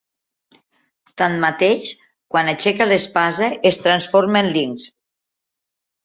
Tanmateix, quan aixeca l'espasa es transforma en linx.